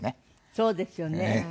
そうですよね。